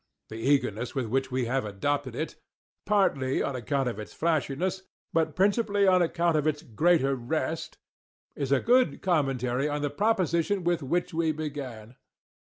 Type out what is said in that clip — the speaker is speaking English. The eagerness with which we have adopted it, partly on account of its flashiness, but principally on account of its greater rest, is a good commentary on the proposition with which we began.